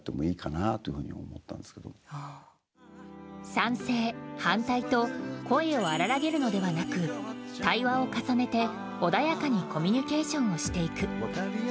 賛成・反対と声を荒らげるのではなく対話を重ねて穏やかにコミュニケーションをしていく。